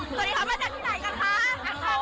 สวัสดีค่ะมาจากที่ไหนกันคะ